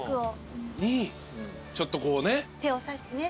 ちょっとこうね。